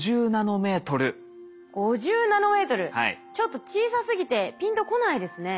ちょっと小さすぎてピンとこないですね。